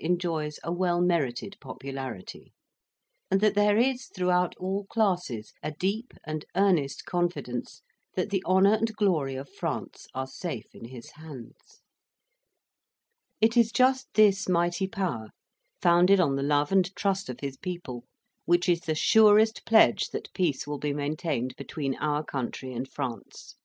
enjoys a well merited popularity, and that there is throughout all classes a deep and earnest confidence that the honour and glory of France are safe in his hands. It is just this mighty power, founded on the love and trust of his people, which is the surest pledge that peace will be maintained between our country and France.